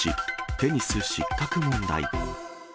テニス失格問題。